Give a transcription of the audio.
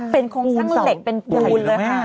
เป็นคงสร้างเหล็กเป็นปูน